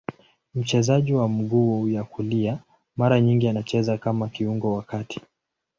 Mchezaji wa mguu ya kulia, mara nyingi anacheza kama kiungo wa kati.